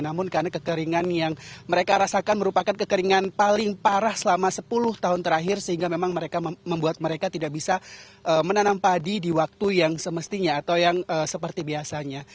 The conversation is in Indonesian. namun karena kekeringan yang mereka rasakan merupakan kekeringan paling parah selama sepuluh tahun terakhir sehingga memang membuat mereka tidak bisa menanam padi di waktu yang semestinya atau yang seperti biasanya